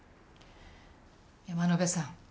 山野辺さん。